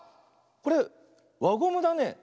これわゴムだね。